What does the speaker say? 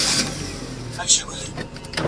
د هر پوهنتون قوانین له يو بل سره توپیر لري.